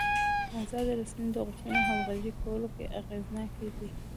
ازادې رسنۍ د غوښتنو همغږي کولو کې اغېزناکې دي.